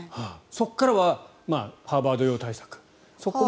そこからはハーバード用対策。